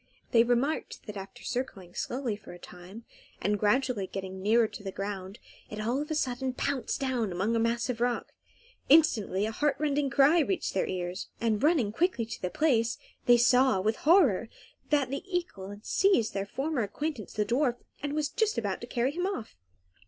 They remarked that after circling slowly for a time, and gradually getting nearer to the ground, it all of a sudden pounced down amongst a mass of rock. Instantly a heart rending cry reached their ears, and, running quickly to the place, they saw, with horror, that the eagle had seized their former acquaintance, the dwarf, and was just about to carry him off.